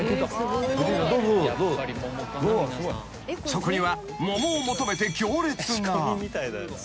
［そこには桃を求めて行列が］